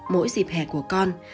mỗi dịp hè của con